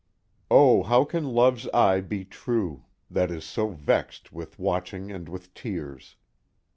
O how can Love's eye be true, That is so vex'd with watching and with tears?